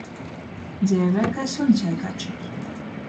Dzeivoj kai suņs ar kači.